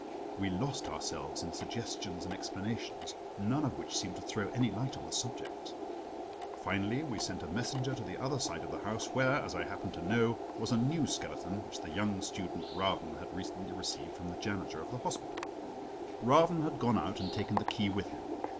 We lost ourselves in suggestions and explanations, none of which seemed to throw any light on the subject. Finally we sent a messenger to the other side of the house where, as I happened to know, was a new skeleton which the young student Ravn had recently received from the janitor of the hospital. Ravn had gone out and taken the key with him.